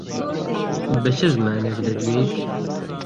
بە چ زمانێک دەدوێیت؟